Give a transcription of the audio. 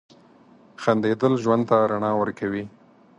• خندېدل ژوند ته رڼا ورکوي.